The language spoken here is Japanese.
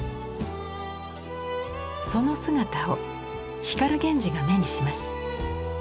その姿を光源氏が目にします。